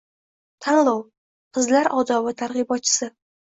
Tanlov: Qizlar odobi targ‘ibotchisi